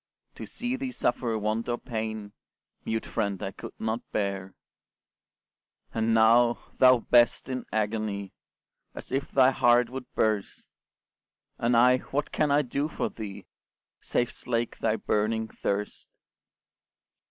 To see thee suffer want or pain, Mute friend I could not bear; And now, thou best in agony, As if thy heart would burst, And I, what can I do for thee, Save slake thy burning thirst?